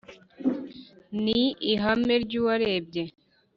Ni ihame ry'uwarebye